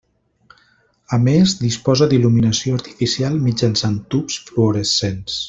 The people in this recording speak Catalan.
A més, disposa d'il·luminació artificial mitjançant tubs fluorescents.